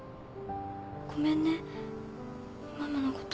ごめんねママのこと。